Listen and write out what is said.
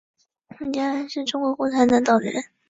张敬安是中国共产党党员。